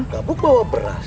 kamu bawa beras